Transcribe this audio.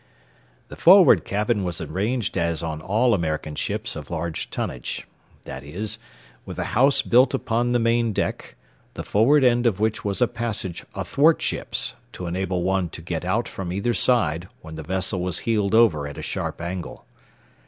The forward cabin was arranged as on all American ships of large tonnage, that is, with the house built upon the main deck, the forward end of which was a passage athwartships to enable one to get out from either side when the vessel was heeled over at a sharp angle.